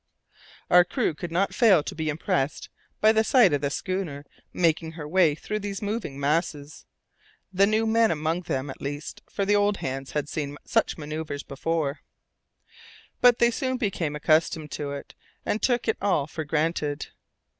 Our crew could not fail to be impressed by the sight of the schooner making her way through these moving masses; the new men among them, at least, for the old hands had seen such manoeuvres before. But they soon became accustomed to it, and took it all for granted.